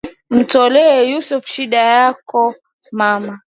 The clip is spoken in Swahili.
Mtolee Yesu shida yako mama.